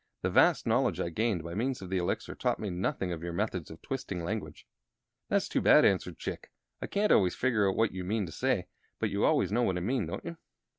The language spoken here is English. "The vast knowledge I gained by means of the Elixir taught me nothing of your methods of twisting language." "That's too bad," answered Chick. "I can't always figure out what you mean to say; but you always know what I mean, don't you?"